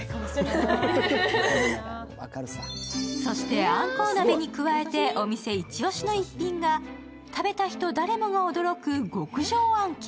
そしてあんこう鍋に加えてお店イチオシの逸品が食べた人誰もが驚く極上あん肝。